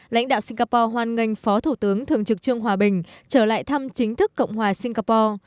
lãnh đạo singapore hoan nghênh phó thủ tướng thường trực trương hòa bình trở lại thăm chính thức cộng hòa singapore